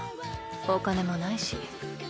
お金もないし。